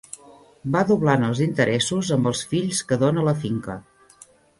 Va doblant els interessos amb els fills que dóna la finca